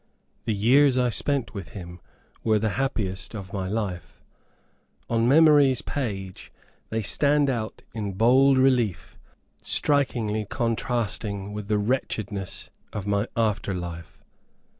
The years I spent with him were the happiest of my life. On memory's page they stand out in bold relief, strikingly contrasting with the wretchedness of my after life.